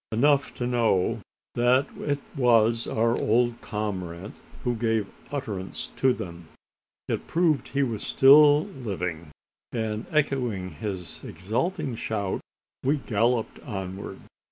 Enough to know that it was our old comrade who gave utterance to them. It proved he was still living; and, echoing his exulting shout, we galloped onward.